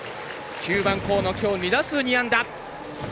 ９番、河野きょう、２打数２安打。